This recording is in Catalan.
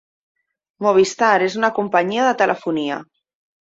Movistar és una companyia de telefonia.